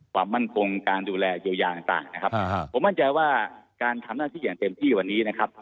ความมั่นคงการดูแลเยียวยาต่างนะครับผมมั่นใจว่าการทำหน้าที่อย่างเต็มที่วันนี้นะครับ